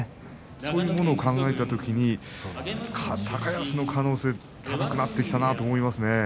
そうしたことを考えた時に高安の可能性は高くなってきたなと思います。